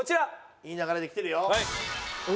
いい流れできてるよ！